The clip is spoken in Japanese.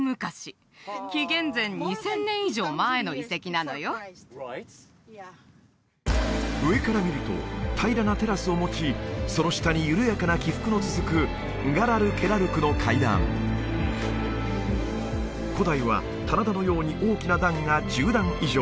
ノー上から見ると平らなテラスを持ちその下に緩やかな起伏の続く古代は棚田のように大きな段が１０段以上